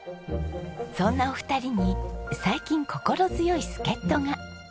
そんなお二人に最近心強い助っ人が。